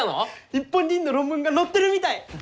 日本人の論文が載ってるみたい！